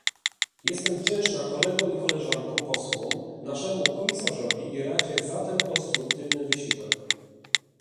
Jestem wdzięczna kolegom i koleżankom posłom, naszemu komisarzowi i Radzie za ten konstruktywny wysiłek